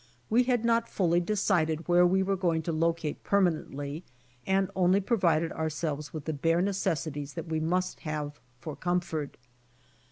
We had not fulh^ decided where we were going to locate per manently, and only provided ourselves with the bare necessities that we must have for comfort.